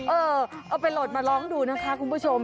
เออเอาไปโหลดมาลองดูนะคะคุณผู้ชม